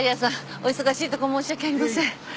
お忙しいとこ申し訳ありません。